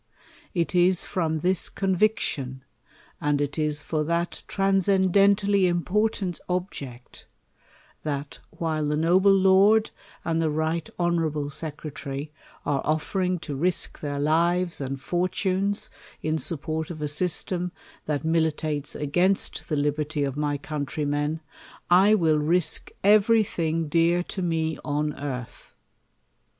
It is from this conviction, and it is for that transcendently important object, that, while the noble Lord and the Right Honorable Secre tary, are ofiering to risk their lives and fortunes in sup port of a system that militates against the liberty of my countrymen, I will risk every thing dear to me on earth.